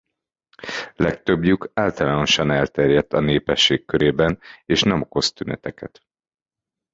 Legtöbbjük általánosan elterjedt a népesség körében és nem okoz tüneteket.